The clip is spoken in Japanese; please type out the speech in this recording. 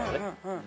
うん。